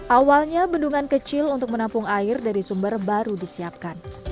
awalnya bendungan kecil untuk menampung air dari sumber baru disiapkan